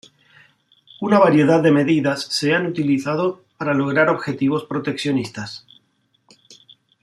Una variedad de medidas se han utilizado para lograr objetivos proteccionistas.